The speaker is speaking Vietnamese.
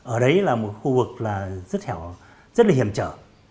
ở đấy là một khu vực rất là hiểm trở